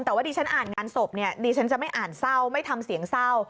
แต่ว่าดิฉันอ่านงานศพเนี่ยดิฉันจะไม่อ่านเศร้าไม่ทำเสียงเศร้า